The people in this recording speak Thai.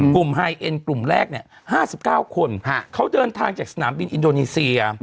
ไฮเอ็นกลุ่มแรก๕๙คนเขาเดินทางจากสนามบินอินโดนีเซีย